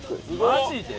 マジで？